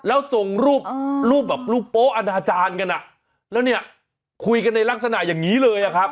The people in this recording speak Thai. แล้วส่งรูปรูปแบบรูปโป๊อนาจารย์กันอ่ะแล้วเนี่ยคุยกันในลักษณะอย่างนี้เลยอะครับ